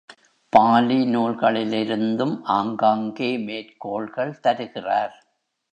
Poly நூல்களிலிருந்தும் ஆங்காங்கே மேற்கோள்கள் தருகிறார்.